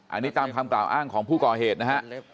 อันนี้ตามคำกล่าวอ้างของผู้ก่อเหตุนะฮะ